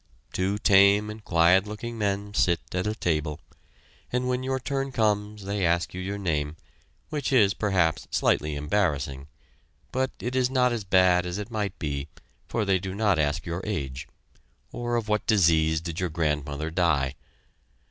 Two tame and quiet looking men sit at a table, and when your turn comes, they ask you your name, which is perhaps slightly embarrassing, but it is not as bad as it might be, for they do not ask your age, or of what disease did your grandmother die.